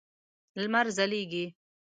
لمر ځلیږی